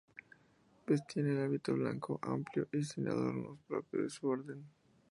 Vestían el hábito blanco, amplio y sin adornos propio de su orden.